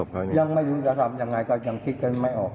ยังไม่รู้จะทำยังไงก็ยังคิดกันไม่ออก